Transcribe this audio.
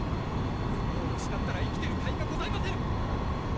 それを失ったら生きてるかいがございませぬ！